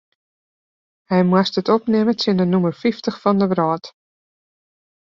Hy moast it opnimme tsjin de nûmer fyftich fan de wrâld.